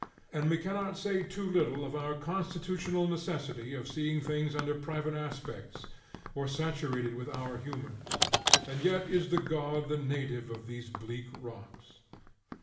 And we cannot say too little of our constitutional necessity of seeing things under private aspects, or saturated with our humors. And yet is the God the native of these bleak rocks.